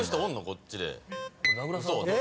こっちで。